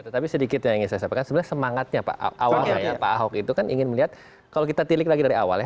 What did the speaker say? tetapi sedikit yang ingin saya sampaikan sebenarnya semangatnya pak awalnya ya pak ahok itu kan ingin melihat kalau kita tilik lagi dari awal ya